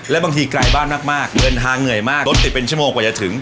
และบางทีไกลบ้านมากเดินทางเหนื่อยมากรถติดเป็นชั่วโมงกว่าจะถึง